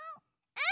うん！